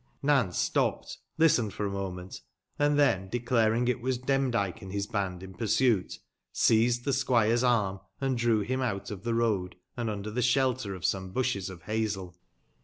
Nance stopped, listened for a moment, ana tben declaring tbat it was Demdike and bis band in pnrsnit, seized tbe squire's arm and drew bim out of tbe road, and under tbe sbelter of some busbes of bazel.